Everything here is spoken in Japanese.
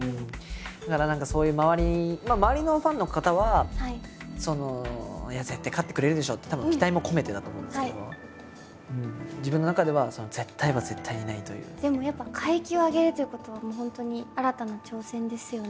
だから何かそういう周りのファンの方は絶対勝ってくれるでしょってたぶん期待も込めてだと思うんですけど自分の中ではでもやっぱ階級を上げるということは本当に新たな挑戦ですよね。